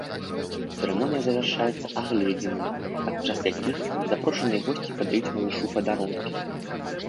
Цырымонія завяршаецца агледзінамі, падчас якіх запрошаныя госці падаюць малышу падарункі.